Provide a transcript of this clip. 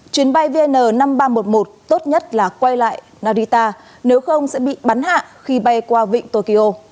chuyến bay vn năm nghìn ba trăm một mươi một tốt nhất là quay lại narita nếu không sẽ bị bắn hạ khi bay qua vịnh tokyo